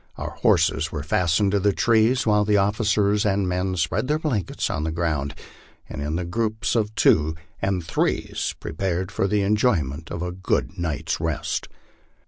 Our horses were fast ened to the trees, while the officers and men spread their blankets on the ground, and in groups of twos and threes prepared for the enjoyment of a good night's rest.